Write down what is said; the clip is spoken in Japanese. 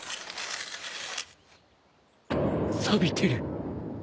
さびてる。